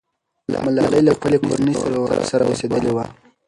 ملالۍ له خپلې کورنۍ سره اوسېدلې وه.